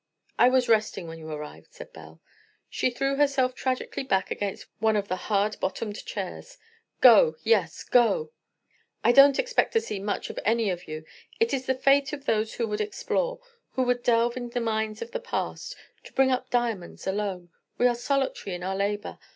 "I was resting when you arrived," said Belle. She threw herself tragically back against one of the hard bottomed chairs. "Go—yes go; I don't expect to see much of any of you. It is the fate of those who would explore, who would delve in the mines of the past, to bring up diamonds alone; we are solitary in our labor.